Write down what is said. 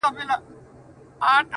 o د مرور برخه کونه ور خوري!